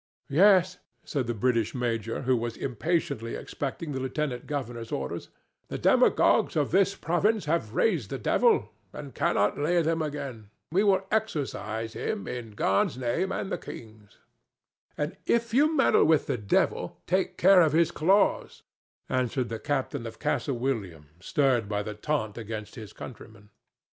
"Yes," said the British major, who was impatiently expecting the lieutenant governor's orders. "The demagogues of this province have raised the devil, and cannot lay him again. We will exorcise him in God's name and the king's." "If you meddle with the devil, take care of his claws," answered the captain of Castle William, stirred by the taunt against his countrymen.